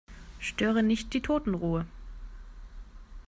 Störe nicht die Totenruhe.